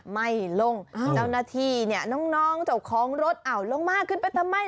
ไม่ลงเจ้าหน้าที่เนี่ยน้องเจ้าของรถเอาลงมาขึ้นไปทำไม